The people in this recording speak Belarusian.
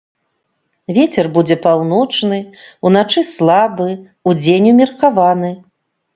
Вецер будзе паўночны, уначы слабы, удзень умеркаваны.